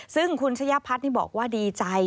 ซึ่งคุณชะยพัฒน์บอกว่าดีใจ